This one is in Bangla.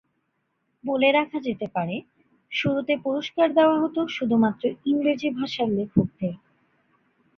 বলে রাখা যেতে পারে, শুরুতে পুরস্কার দেওয়া হতো শুধুমাত্র ইংরেজি ভাষার লেখকদের।